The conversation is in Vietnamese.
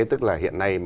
tức là hiện nay